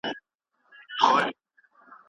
ځکه، زه